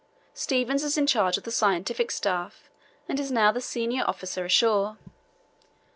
Stevens is in charge of the scientific staff and is now the senior officer ashore.